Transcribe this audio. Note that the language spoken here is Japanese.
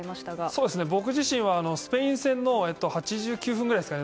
僕自身はスペイン戦の８９分ぐらいですかね。